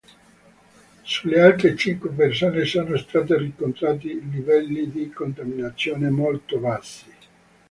Sulle altre cinque persone sono state riscontrati livelli di contaminazione molto bassi.